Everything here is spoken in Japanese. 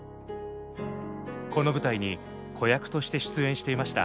この舞台に子役として出演していました。